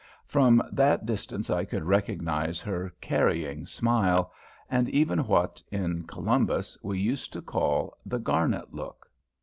From that distance I could recognize her "carrying" smile, and even what, in Columbus, we used to call "the Garnet look."